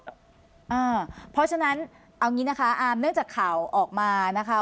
เพราะฉะนั้นเอางี้นะคะอาร์มเนื่องจากข่าวออกมานะคะ